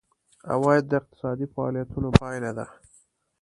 عواید د اقتصادي فعالیتونو پایله ده.